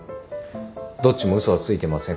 どっちも嘘はついてません。